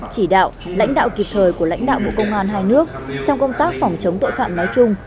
chỉ đạo lãnh đạo kịp thời của lãnh đạo bộ công an hai nước trong công tác phòng chống tội phạm nói chung